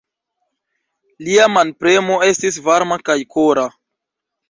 Lia manpremo estis varma kaj kora.